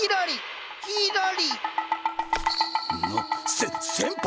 せ先輩！